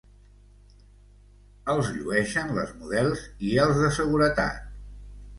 Els llueixen les models i els de seguretat.